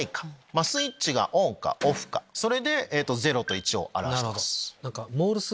スイッチがオンかオフかそれで０と１を表してます。